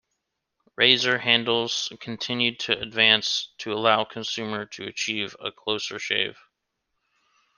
Razor handles continued to advance to allow consumer to achieve a closer shave.